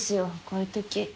こういうとき。